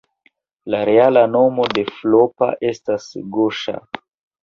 La reala nomo de Floppa estas Goŝa.